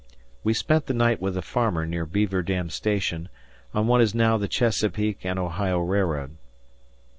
We spent the night with a farmer near Beaver Dam station on what is now the Chesapeake and Ohio Railroad.